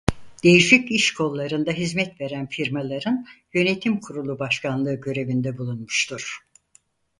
Değişik iş kollarında hizmet veren firmaların yönetim kurulu başkanlığı görevinde bulunmuştur.